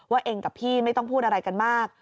เองกับพี่ไม่ต้องพูดอะไรกันมาก